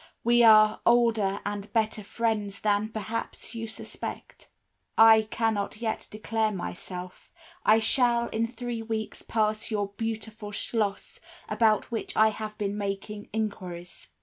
We are older and better friends than, perhaps, you suspect. I cannot yet declare myself. I shall in three weeks pass your beautiful schloss, about which I have been making enquiries.